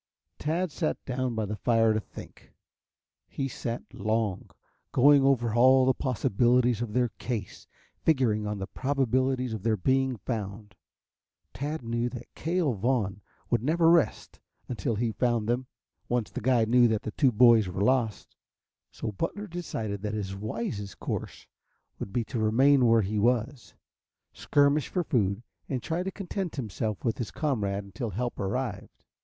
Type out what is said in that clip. Tad sat down by the fire to think. He sat long, going over all the possibilities of their case, figuring on the probabilities of their being found. Tad knew that Cale Vaughn would never rest until he had found them, once the guide knew that the two boys were lost, so Butler decided that his wisest course would be to remain where he was, skirmish for food, and try to content himself and his comrade until help arrived.